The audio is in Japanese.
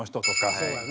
そうやね。